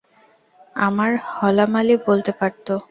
আমার হলা মালী বলতে পারত।